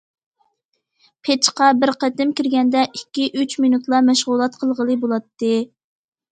پېچقا بىر قېتىم كىرگەندە ئىككى، ئۈچ مىنۇتلا مەشغۇلات قىلغىلى بولاتتى.